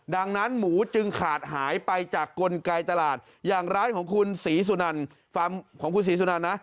ดังนั้นหมูจึงขาดหายไปจากกลไกตลาดอย่างร้านของคุณศรีสุนันของคุณศรีสุนันนะ